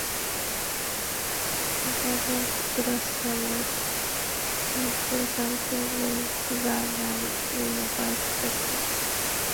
The Jugend blossomed into something way bigger than we ever expected.